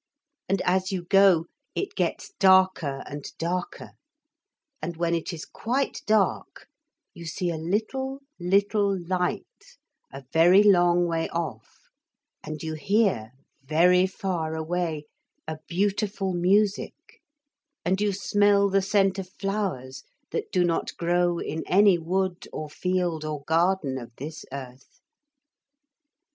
And as you go it gets darker and darker, and when it is quite dark you see a little, little light a very long way off, and you hear very far away, a beautiful music, and you smell the scent of flowers that do not grow in any wood or field or garden of this earth.